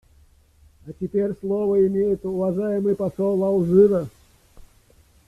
А теперь слово имеет уважаемый посол Алжира.